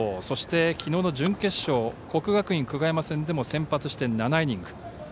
そして、きのうの準決勝国学院久我山戦でも先発して７イニング。